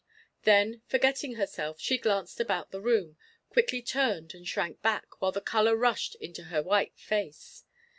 Then, forgetting herself, she glanced about the room, quickly turned and shrank back, while the color rushed into her white face.